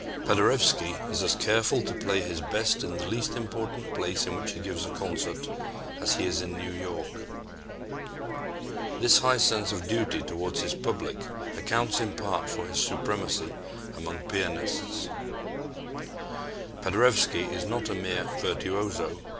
Paderewski is as careful to play his best in the least important place in which he gives a concert as he is in New York. This high sense of duty toward his public accounts in part for his supremacy among pianists Paderewski is not a mere virtuoso.